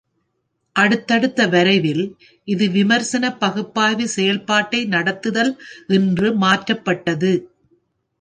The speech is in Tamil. அடுத்தடுத்த வரைவில், இது "விமர்சன பகுப்பாய்வு செயல்பாட்டை நடத்துதல்" என்று மாற்றப்பட்டது.